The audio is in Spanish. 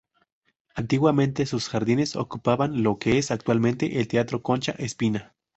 Antiguamente sus jardines ocupaban lo que es actualmente el Teatro Concha Espina.